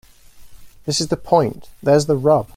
This is the point. There's the rub.